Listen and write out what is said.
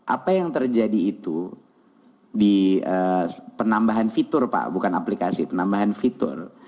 apa yang terjadi itu di penambahan fitur pak bukan aplikasi penambahan fitur